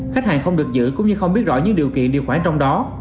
khách hàng không được giữ cũng như không biết rõ những điều kiện điều khoản trong đó